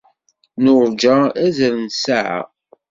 Nuṛǧa azal n ssaɛa.